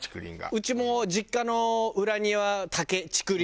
うちも実家の裏庭竹竹林で。